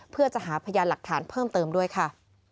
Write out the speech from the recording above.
เพื่อจะหาพยานหลักฐานเพิ่มเติมด้วยค่ะ